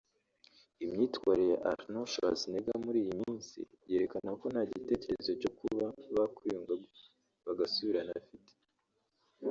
imyitwarire ya Arnold Schwarzenegger muri iyi minsi yerekana ko nta gitekerezo cyo kuba bakwiyunga bagasubirana afite